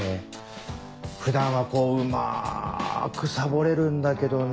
普段はこううまくサボれるんだけどね